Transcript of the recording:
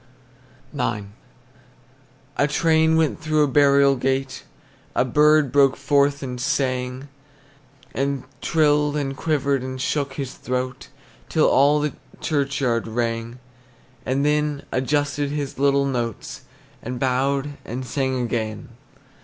IX. A train went through a burial gate, A bird broke forth and sang, And trilled, and quivered, and shook his throat Till all the churchyard rang; And then adjusted his little notes, And bowed and sang again.